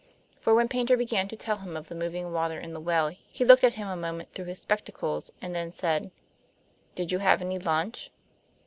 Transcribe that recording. For when Paynter began to tell him of the moving water in the well he looked at him a moment through his spectacles, and then said: "Did you have any lunch?"